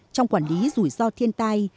trong quản lý rủi ro thiên tai